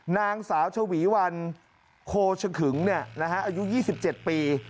นางสาวเฉวีวัณโคเชคึ๋งเนี่ยอายุ๒๗ปี